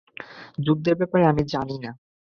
যুদ্ধের ব্যাপারে আমি জানি না।